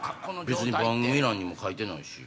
別に番組欄にも書いてないし。